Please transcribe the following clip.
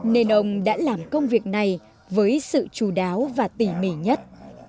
nên ông đã làm công việc này với sự chú đáo và tỉ mỉ nhất